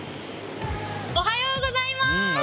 おはようございます。